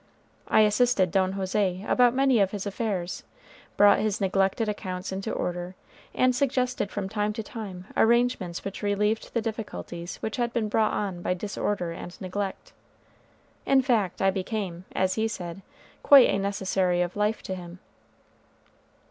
I assisted Don José about many of his affairs; brought his neglected accounts into order; and suggested from time to time arrangements which relieved the difficulties which had been brought on by disorder and neglect. In fact, I became, as he said, quite a necessary of life to him.